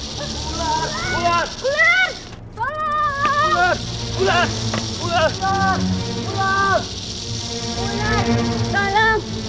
sampai jumpa di video selanjutnya